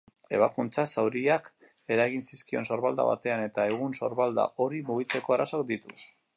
Ebakuntzak zauriak eragin zizkion sorbalda batean eta egun sorbalda hori mugitzeko arazoak ditu.